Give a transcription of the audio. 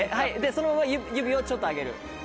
そのまま指をちょっと上げる。